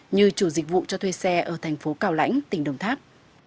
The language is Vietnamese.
như chủ dịch vụ cho thuê xe ở thành phố cao lãnh tỉnh đồng tháp